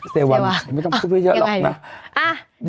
เซวันไม่ต้องพูดไว้เยอะหรอกนะ